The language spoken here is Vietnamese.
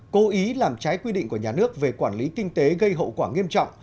cố ý làm trái quy định của nhà nước về quản lý kinh tế gây hậu quả nghiêm trọng